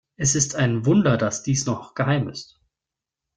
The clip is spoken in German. Es ist ein Wunder, dass dies noch geheim ist.